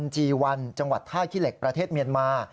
จีวันจังหวัดท่าขี้เหล็กประเทศเมียนมา